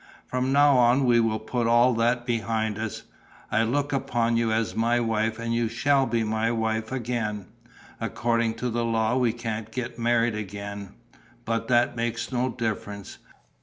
From now on we will put all that behind us. I look upon you as my wife and you shall be my wife again. According to the law we can't get married again. But that makes no difference.